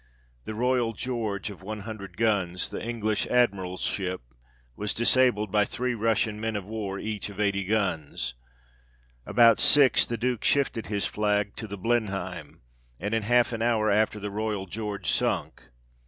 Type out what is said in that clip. The Royal George of 100 guns, the English Admiral's ship, was disabled by three Russian men of war, each of 80 guns. About six the Duke shifted his flag to the Blenheim, and in half an hour after the Royal George sunk.